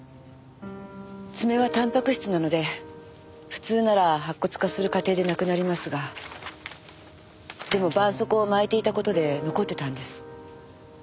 爪はタンパク質なので普通なら白骨化する過程でなくなりますがでも絆創膏を巻いていた事で残ってたんです。